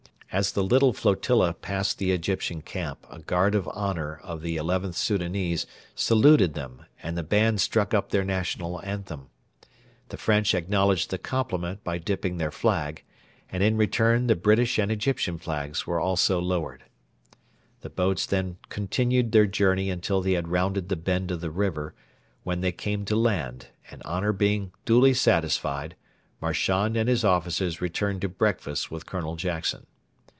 As the little flotilla passed the Egyptian camp a guard of honour of the XIth Soudanese saluted them and the band struck up their national anthem. The French acknowledged the compliment by dipping their flag, and in return the British and Egyptian flags were also lowered. The boats then continued their journey until they had rounded the bend of the river, when they came to land, and, honour being duly satisfied, Marchand and his officers returned to breakfast with Colonel Jackson.